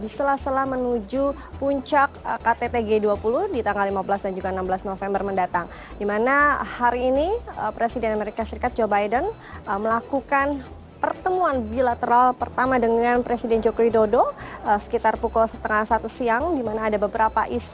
selamat malam naya